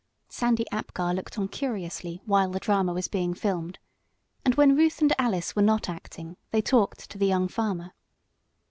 Sandy Apgar looked on curiously while the drama was being filmed, and when Ruth and Alice were not acting they talked to the young farmer.